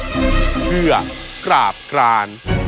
เพื่อกราบกราน